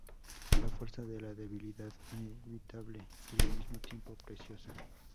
La fuerza de la debilidad, inevitable y, al mismo tiempo, preciosa".